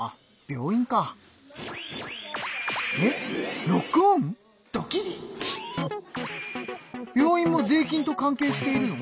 病院も税金と関係しているの？